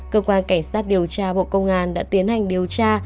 cơ quan cảnh sát điều tra bộ công an đã tiến hành điều tra